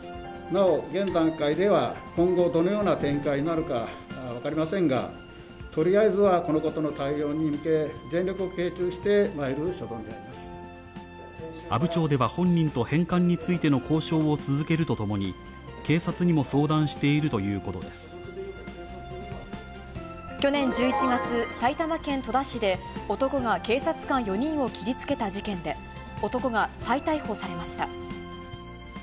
なお現段階では今後、どのような展開になるか分かりませんが、とりあえずはこのことの対応に向け、全力を傾注してまいる所存で阿武町では本人と返還についての交渉を続けるとともに、警察にも相談しているということ去年１１月、埼玉県戸田市で男が警察官４人を切りつけた事件で、男が再逮捕されました。